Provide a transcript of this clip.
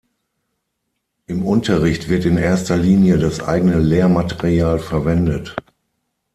Im Unterricht wird in erster Linie das eigene Lehrmaterial verwendet.